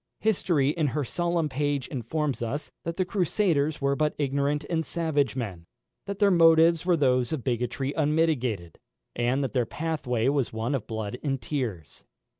History in her solemn page informs us, that the Crusaders were but ignorant and savage men, that their motives were those of bigotry unmitigated, and that their pathway was one of blood and tears.